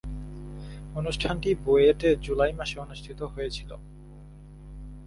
অনুষ্ঠানটি বুয়েটে জুলাই মাসে অনুষ্ঠিত হয়েছিলো।